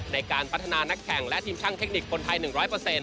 ในการพัฒนานักแข่งและทีมช่างเทคนิคคนไทย๑๐๐